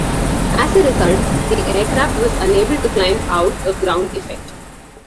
As a result, the aircraft was unable to climb out of ground effect.